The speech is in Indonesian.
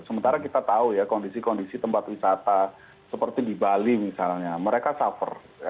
sementara kita tahu ya kondisi kondisi tempat wisata seperti di bali misalnya mereka suffer